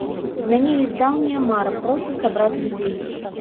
У мяне ёсць даўняя мара проста сабраць людзей.